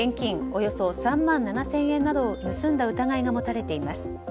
およそ３万７０００円などを盗んだ疑いが持たれています。